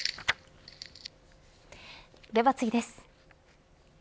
では次です。